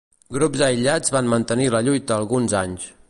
Grups aïllats van mantenir la lluita alguns anys.